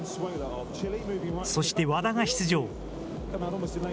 そして和田が出場。